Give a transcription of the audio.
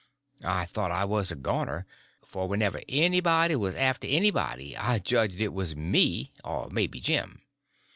I thought I was a goner, for whenever anybody was after anybody I judged it was me—or maybe Jim.